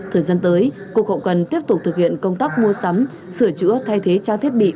thời gian tới cục hậu cần tiếp tục thực hiện công tác mua sắm sửa chữa thay thế trang thiết bị